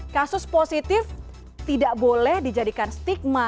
kasus positif tidak boleh dijadikan stigma